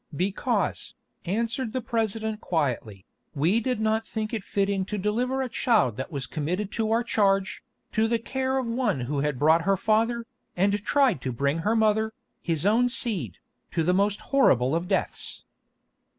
"Because," answered the President quietly, "we did not think it fitting to deliver a child that was committed to our charge, to the care of one who had brought her father, and tried to bring her mother, his own seed, to the most horrible of deaths."